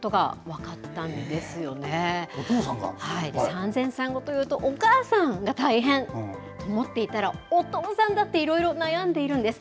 産前産後というと、お母さんが大変と思っていたら、お父さんだっていろいろ悩んでいるんです。